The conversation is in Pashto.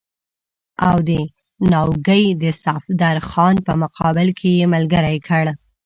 او د ناوګۍ د صفدرخان په مقابل کې یې ملګری کړ.